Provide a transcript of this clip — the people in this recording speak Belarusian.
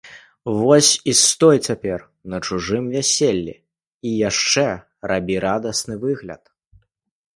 Вось і стой цяпер на чужым вяселлі і яшчэ рабі радасны выгляд.